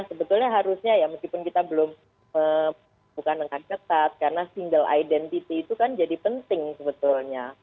sebetulnya harusnya ya meskipun kita belum bukan dengan ketat karena single identity itu kan jadi penting sebetulnya